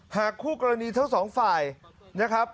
คู่กรณีทั้งสองฝ่ายนะครับ